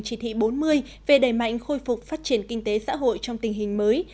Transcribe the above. chỉ thị bốn mươi về đẩy mạnh khôi phục phát triển kinh tế xã hội trong tình hình mới